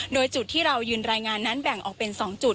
โดยจุดที่เรายืนรายงานนั้นแบ่งออกเป็น๒จุด